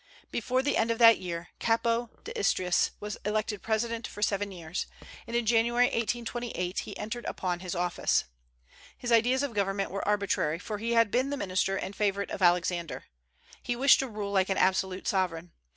Before the end of that year Capo d'Istrias was elected president for seven years, and in January, 1828, he entered upon his office. His ideas of government were arbitrary, for he had been the minister and favorite of Alexander. He wished to rule like an absolute sovereign.